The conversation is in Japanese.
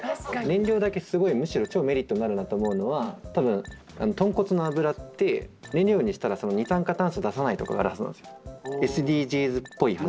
燃料だけむしろ超メリットになるなと思うのは多分とんこつの油って燃料にしたら二酸化炭素を出さないとかがあるはずなんですよ。